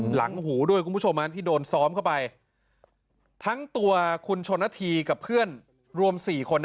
หลังหูด้วยคุณผู้ชมที่โดนซ้อมเข้าไปทั้งตัวคุณชนนาธีกับเพื่อนรวม๔คน